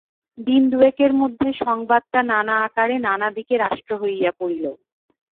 দিন-দুয়েকের মধ্যে সংবাদটা নানা আকারে নানা দিকে রাষ্ট্র হইয়া পড়িল।